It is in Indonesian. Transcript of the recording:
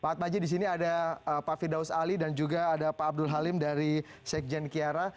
pak atmaji di sini ada pak firdaus ali dan juga ada pak abdul halim dari sekjen kiara